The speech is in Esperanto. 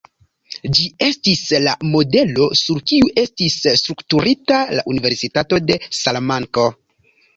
Ĝi estis la modelo sur kiu estis strukturita la Universitato de Salamanko.